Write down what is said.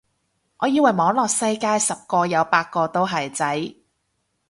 我以為網絡世界十個有八個都係仔